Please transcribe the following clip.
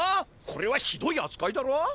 これはひどいあつかいだろ？